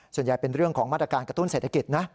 ส่วนใหญ่เป็นเรื่องของมาตรการกระตุ้นเศรษฐกิจนะ